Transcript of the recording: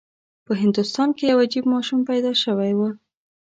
په هندوستان کې یو عجیب ماشوم پیدا شوی و.